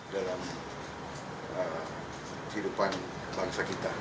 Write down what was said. dalam kehidupan bangsa kita